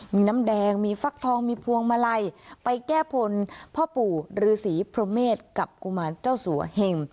มีน้ำแดงมีฟักทองมีพวงมาลัยไปแก้บนพ่อปู่ฤษีพรหมเมษกับกุมารเจ้าสัวเหง